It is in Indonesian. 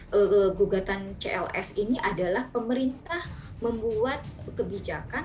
yang kami tuntut dalam konteks gugatan cls ini adalah pemerintah membuat kebijakan